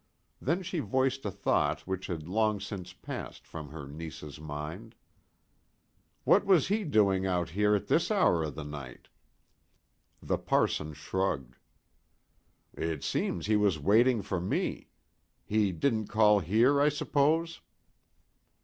Then she voiced a thought which had long since passed from her niece's mind. "What was he doing out here at this hour of the night?" The parson shrugged. "It seems he was waiting for me. He didn't call here, I s'pose?"